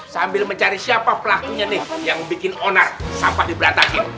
sambil mencari siapa pelakunya nih yang bikin onar sampah diberantasin